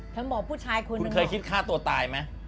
เธอบอกผู้ชายคนนี้เคยคิดฆ่าตัวตายไหม